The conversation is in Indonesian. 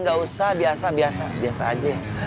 gak usah biasa biasa aja